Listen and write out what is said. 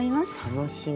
楽しみ。